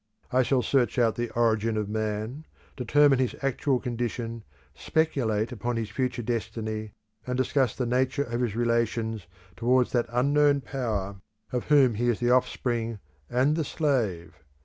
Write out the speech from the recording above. I shall search out the origin of man, determine his actual condition, speculate upon his future destiny, and discuss the nature of his relations towards that unknown Power of whom he is the offspring and the slave.